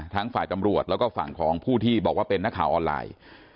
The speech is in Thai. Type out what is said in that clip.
ทั้งฝ่ายตำรวจแล้วก็ฝั่งของผู้ที่บอกว่าเป็นนักข่าวออนไลน์